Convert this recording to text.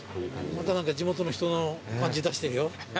また何か地元の人の感じ出してるよ。